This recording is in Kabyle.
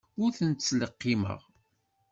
Ur ten-ttleqqimeɣ.